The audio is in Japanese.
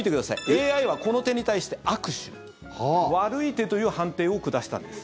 ＡＩはこの手に対して悪手悪い手という判定を下したんです。